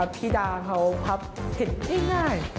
พี่ดาเขาพับเด็ดไม่ง่าย